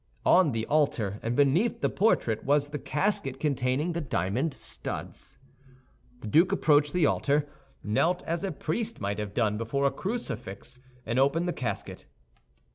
On the altar, and beneath the portrait, was the casket containing the diamond studs. The duke approached the altar, knelt as a priest might have done before a crucifix, and opened the casket.